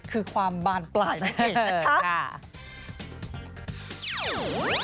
คือความบานปล่ายนะครับ